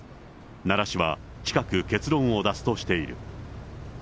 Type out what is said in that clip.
奈良市は、近く結論を出すとしている。